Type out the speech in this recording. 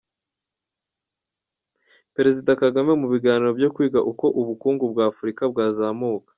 Perezida Kagame mu biganiro byo kwiga uko ubukungu bwa Afurika bwazamuka